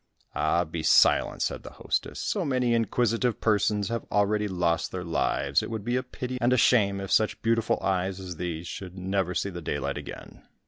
"Ah, be silent," said the hostess, "so many inquisitive persons have already lost their lives, it would be a pity and a shame if such beautiful eyes as these should never see the daylight again."